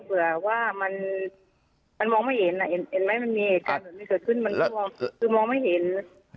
เผื่อว่ามันมองไม่เห็นมันมีเหตุการณ์มันไม่เกิดขึ้นมองไม่เห็น